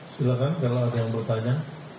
silahkan kalau ada yang mau tanya